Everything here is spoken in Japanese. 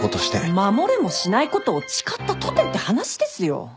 守れもしないことを誓ったとてって話ですよ。